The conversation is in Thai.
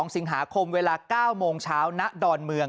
๒สิงหาคมเวลา๙โมงเช้าณดอนเมือง